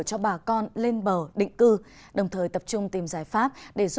cho bà con lên bờ định cư đồng thời tập trung tìm giải pháp